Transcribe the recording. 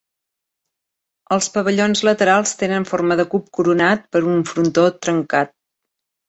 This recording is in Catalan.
Els pavellons laterals tenen forma de cub coronat per un frontó trencat.